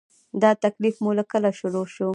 دا تکلیف مو له کله شروع شو؟